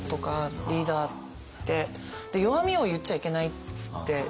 弱みを言っちゃいけないって。